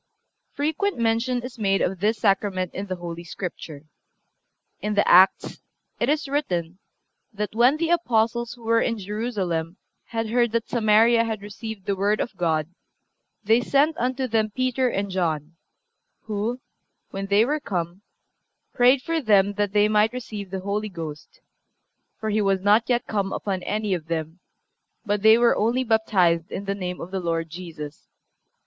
Frequent mention is made of this Sacrament in the Holy Scripture. In the Acts it is written that "When the Apostles who were in Jerusalem had heard that Samaria had received the Word of God they sent unto them Peter and John, who, when they were come, prayed for them that they might receive the Holy Ghost; for He was not yet come upon any of them, but they were only baptized in the name of the Lord Jesus.